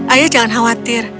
ayah jangan khawatir